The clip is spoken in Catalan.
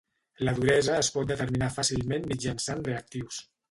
La duresa es pot determinar fàcilment mitjançant reactius.